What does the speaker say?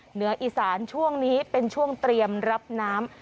เหนืออีสานช่วงนี้เป็นช่วงเตรียมรับน้ำ